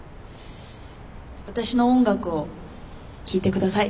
私の音楽を聴いて下さい。